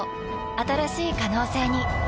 新しい可能性にハロー！